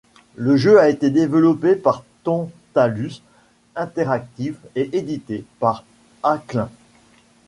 Le jeu a été développé par Tantalus Interactive et édité par Acclaim.